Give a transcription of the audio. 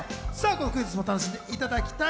クイズも楽しんでいただきたい。